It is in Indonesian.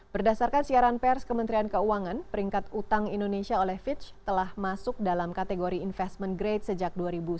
berdasarkan siaran pers kementerian keuangan peringkat utang indonesia oleh fitch telah masuk dalam kategori investment grade sejak dua ribu sembilan belas